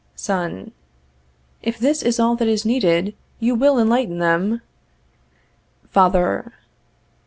Son. If this is all that is needed, you will enlighten them. _Father.